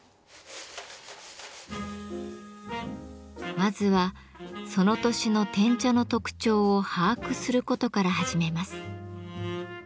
まずはその年の碾茶の特徴を把握することから始めます。